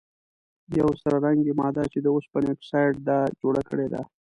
یوه سره رنګې ماده چې د اوسپنې اکسایډ ده جوړه کړي ده.